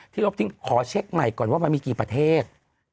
ลบทิ้งขอเช็คใหม่ก่อนว่ามันมีกี่ประเทศ